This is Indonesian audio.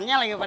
ini udah mak